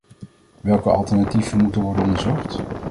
Welke alternatieven moeten worden onderzocht?